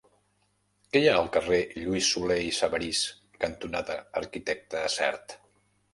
Què hi ha al carrer Lluís Solé i Sabarís cantonada Arquitecte Sert?